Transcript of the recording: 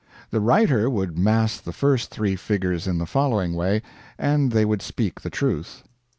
The writer would mass the first three figures in the following way, and they would speak the truth.